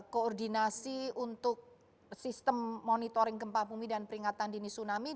koordinasi untuk sistem monitoring gempa bumi dan peringatan dini tsunami